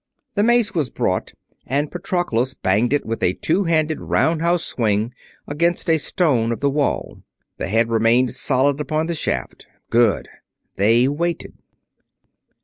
The mace was brought and Patroclus banged it, with a two handed roundhouse swing, against a stone of the wall. The head remained solid upon the shaft. Good. They waited.